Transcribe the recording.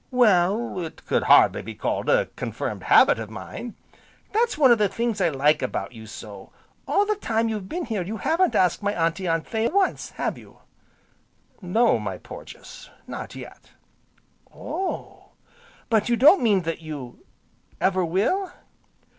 "Well, it could hardly be called a confirmed habit of mine." "That's one of the things I like about you so, all the time you've been here you haven't asked my Auntie Anthea once, have you?" "No, my Porges, not yet." "Oh! but you don't mean that you ever will?"